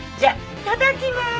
いただきます。